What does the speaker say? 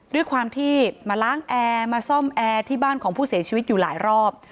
ด้วยความที่มาล้างแอร์มาซ่อมแอร์ที่บ้านของผู้เสียชีวิตอยู่หลายรอบ